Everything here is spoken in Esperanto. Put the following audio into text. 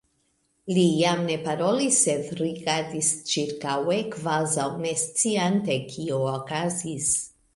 Li jam ne parolis, sed rigardis ĉirkaŭe kvazaŭ ne sciante kio okazis.